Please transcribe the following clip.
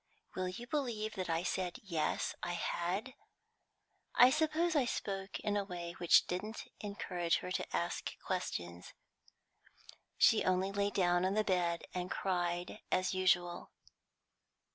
Will you believe that I said yes, I had? I suppose I spoke in a way which didn't encourage her to ask questions; she only lay down on the bed and cried as usual.